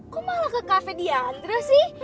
kok malah ke cafe diandro sih